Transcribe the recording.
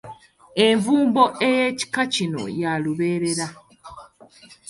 Envumbo ey'ekika kino ya lubeerera.